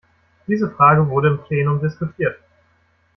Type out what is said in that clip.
Diese Frage wurde im Plenum diskutiert.